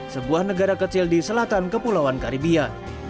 sebuah negara kecil di selatan kepulauan karibia